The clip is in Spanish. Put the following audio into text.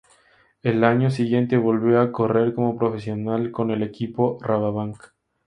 Al año siguiente volvió a correr como profesional con el equipo Rabobank.